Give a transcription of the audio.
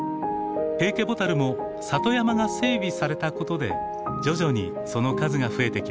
ヘイケボタルも里山が整備されたことで徐々にその数が増えてきました。